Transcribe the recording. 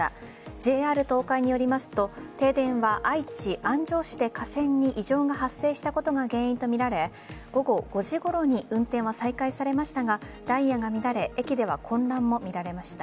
ＪＲ東海によりますと停電は愛知・安城市で架線に異常が発生したことが原因とみられ午後５時ごろに運転は再開されましたがダイヤが乱れ駅では混乱も見られました。